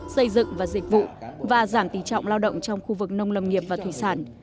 xây dựng và dịch vụ và giảm tỷ trọng lao động trong khu vực nông lâm nghiệp và thủy sản